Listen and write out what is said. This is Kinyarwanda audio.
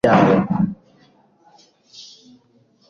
uburenganzira n inshingano byabo